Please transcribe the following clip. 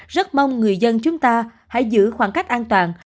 rất mong người dân chúng ta hãy giữ khoảng cách an toàn